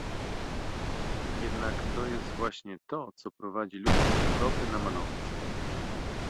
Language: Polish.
Jednak to jest właśnie to, co prowadzi ludzi z Europy na manowce